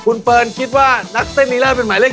คุณเฟิร์นคิดว่านักเต้นลีน่าเป็นหมายเลข